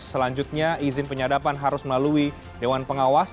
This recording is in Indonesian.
selanjutnya izin penyadapan harus melalui dewan pengawas